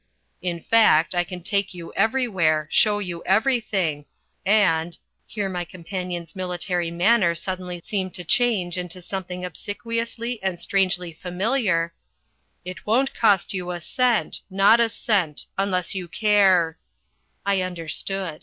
In fact I can take you everywhere, show you everything, and" here my companion's military manner suddenly seemed to change into something obsequiously and strangely familiar "it won't cost you a cent; not a cent, unless you care " I understood.